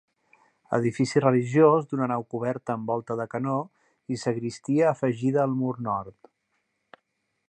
Edifici religiós d'una nau coberta amb volta de canó i sagristia afegida al mur nord.